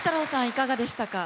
いかがでしたか？